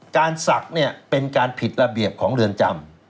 ศักดิ์เนี่ยเป็นการผิดระเบียบของเรือนจำ